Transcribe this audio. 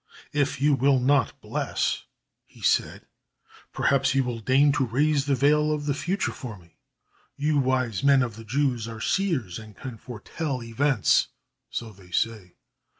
"If you will not bless," he said, "perhaps you will deign to raise the veil of the future for me. You wise men of the Jews are seers and can foretell events so they say.